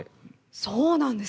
そうなんですか。